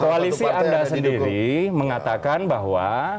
koalisi anda sendiri mengatakan bahwa